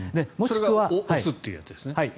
それが押すというやつですね。